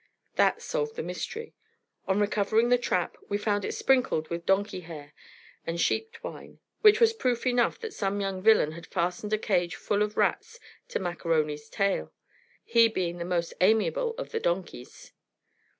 That solved the mystery. On recovering the trap, we found it sprinkled with donkey hair, and sheep twine, which was proof enough that some young villain had fastened a cage full of rats to Mac A'Rony's tail, he being the most amiable of the donkeys.